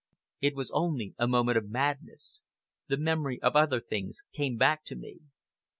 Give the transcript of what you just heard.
It was only a moment of madness. The memory of other things came back to me.